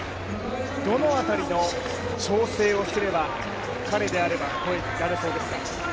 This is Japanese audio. どの辺りの調整をすれば、彼であれば越えられそうですか？